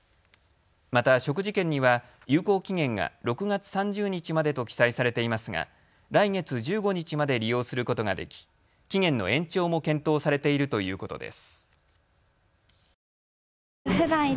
また食事券には有効期限が６月３０日までと記載されていますが来月１５日まで利用することができ期限の延長も検討されているということです。